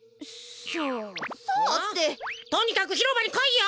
とにかくひろばにこいよ！